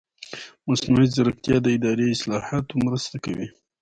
مصنوعي ځیرکتیا د اداري اصلاحاتو مرسته کوي.